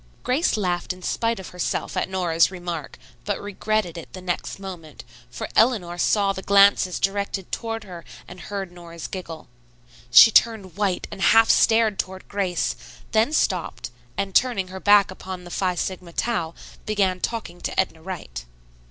Grace laughed in spite of herself at Nora's remark, but regretted it the next moment, for Eleanor saw the glances directed toward her and heard Nora's giggle. She turned white and half started toward Grace, then stopped, and, turning her back upon the Phi Sigma Tau, began talking to Edna Wright.